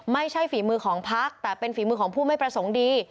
ฝีมือของพักแต่เป็นฝีมือของผู้ไม่ประสงค์ดี